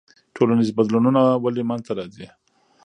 ټولنیز بدلونونه ولې منځ ته راځي؟